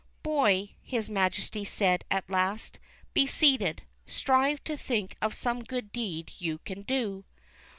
^^Boy,'' his Majesty said at last, be seated; strive to think of some good deed you can do."